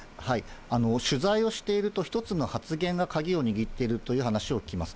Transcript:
取材をしていると、１つの発言が鍵を握っているという話を聞きます。